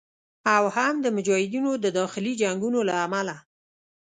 او هم د مجاهدینو د داخلي جنګونو له امله